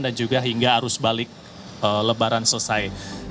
dan juga hingga arus balik lebaran selesai